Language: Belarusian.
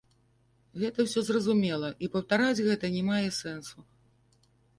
Гэта ўсё зразумела і паўтараць гэта не мае сэнсу.